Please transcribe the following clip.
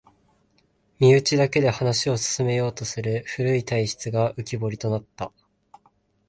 身内だけで話を進めようとする古い体質が浮きぼりとなった